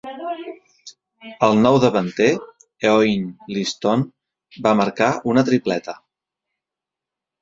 El nou davanter Eoin Liston va marcar una tripleta.